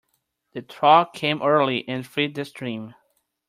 The thaw came early and freed the stream.